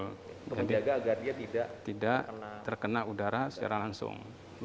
menjaga agar dia tidak terkena udara secara langsung